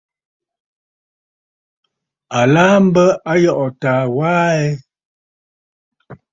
À laà m̀bə Ayɔꞌɔ̀ taa wa aa ɛ?